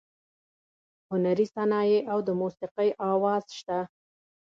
هنري صنایع او د موسیقۍ اواز شته.